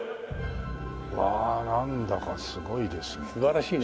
わあなんだかすごいですね。